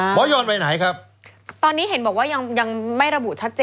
หมอยรไปไหนครับ